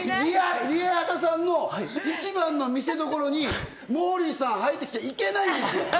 ＲＩＥＨＡＴＡさんの一番の見せどころにモーリーさん入ってきちゃいけないんですよ！